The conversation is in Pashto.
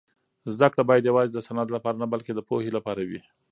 زده کړه باید یوازې د سند لپاره نه بلکې د پوهې لپاره وي.